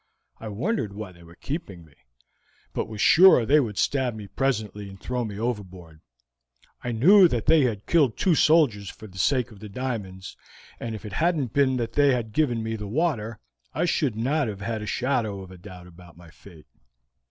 "I wondered why they were keeping me, but was sure they would stab me presently and throw me overboard. I knew that they had killed two soldiers for the sake of the diamonds, and if it hadn't been that they had given me the water, I should not have had a shadow of doubt about my fate."